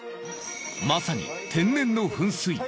まさに天然の噴水！